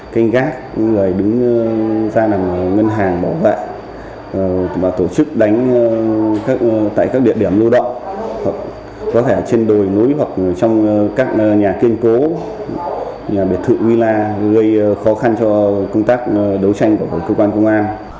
canh gác người đứng ra nằm ở ngân hàng bảo vệ và tổ chức đánh tại các địa điểm lưu động có thể trên đồi núi hoặc trong các nhà kiên cố nhà biệt thự uy la gây khó khăn cho công tác đấu tranh của cơ quan công an